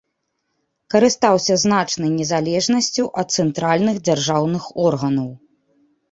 Карыстаўся значнай незалежнасцю ад цэнтральных дзяржаўных органаў.